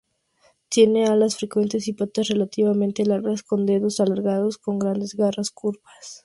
Tienen alas fuertes y patas relativamente largas, con dedos alargados con grandes garras curvas.